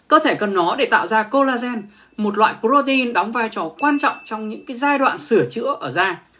cơ thể cần nó để tạo ra colagen một loại protein đóng vai trò quan trọng trong những giai đoạn sửa chữa ở da